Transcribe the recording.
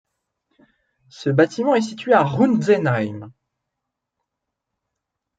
Ce bâtiment est situé à Rountzenheim.